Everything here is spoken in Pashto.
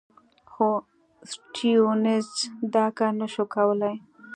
خو سټیونز دا کار نه شو کولای.